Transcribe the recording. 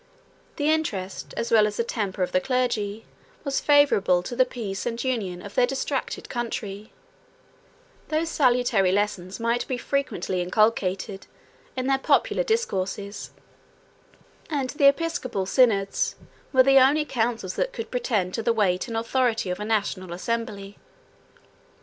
The interest, as well as the temper of the clergy, was favorable to the peace and union of their distracted country: those salutary lessons might be frequently inculcated in their popular discourses; and the episcopal synods were the only councils that could pretend to the weight and authority of a national assembly.